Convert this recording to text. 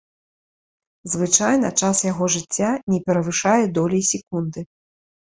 Звычайна час яго жыцця не перавышае долей секунды.